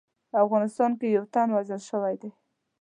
افغانستان کې یو تن وژل شوی دی